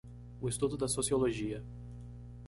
O estudo da sociologia.